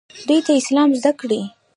دوی ته اسلام زده کړئ